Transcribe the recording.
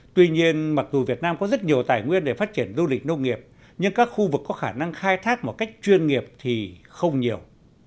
tuy nhiên mặc dù việt nam có rất nhiều tài nguyên để phát triển du lịch nông nghiệp nhưng các khu vực có khả năng khai thác một cách chuyên nghiệp thì không nhiều